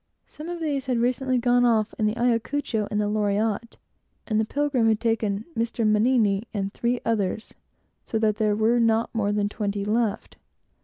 Some of these had recently gone off in the Ayacucho and Loriotte, and the Pilgrim had taken Mr. Mannini and three others, so that there were not more than twenty left.